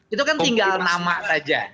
itu kan tinggal nama saja